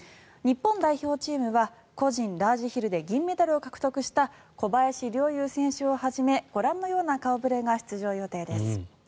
日本代表チームは個人ラージヒルで銀メダルを獲得した小林陵侑選手をはじめご覧のような顔触れが出場予定です。